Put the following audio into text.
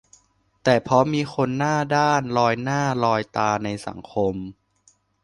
แต่เพราะมีคนหน้าด้านลอยหน้าลอยตาในสังคม